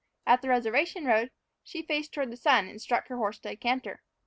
At the reservation road, she faced toward the sun and struck her horse to a canter.